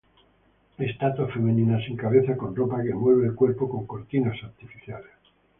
Estatua femenina sin cabeza con ropa que envuelve el cuerpo con cortinas artificiales.